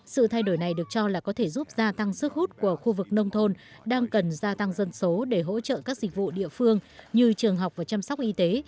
sự thay đổi này được cho là có thể giúp gia tăng sức hút của khu vực nông thôn đang cần gia tăng dân số để hỗ trợ các dịch vụ địa phương như trường học và chăm sóc y tế